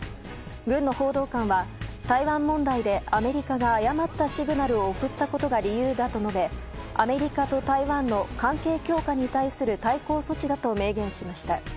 軍の報道官は台湾問題でアメリカが誤ったシグナルを送ったことが理由だと述べアメリカと台湾の関係強化に対する対抗措置だと明言しました。